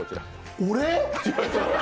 俺！？